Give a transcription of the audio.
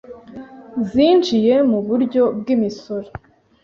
zinjiye mu buryo bw’imisoro